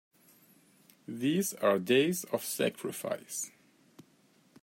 These are days of sacrifice!